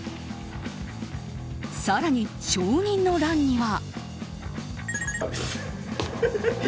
更に、証人の欄には。